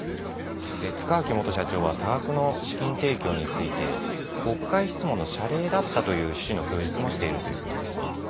塚脇元社長は、多額の資金提供について国会質問の謝礼だったという趣旨の供述もしているということです。